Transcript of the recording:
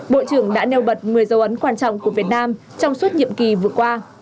bộ trưởng đã nêu bật một mươi dấu ấn quan trọng của việt nam trong suốt nhiệm kỳ vừa qua